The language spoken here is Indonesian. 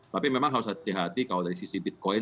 tapi memang harus hati hati kalau dari sisi bitcoin